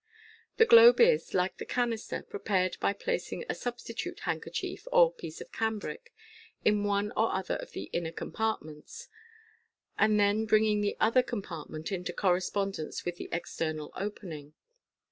The globe is, like the canister, prepared by placing a substitute handkerchief, or piece of cambric, in one or other of the inner compartments, and the;* bringing the other com partment into correspondence with the external opening.